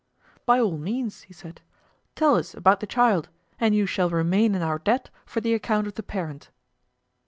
By all means, he said, tell us about the child, and you shall remain in our debt for the account of the parent.